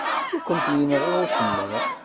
Ur kent-yenɣi usemmiḍ.